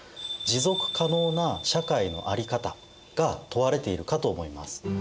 持続可能な社会のあり方が問われているかと思います。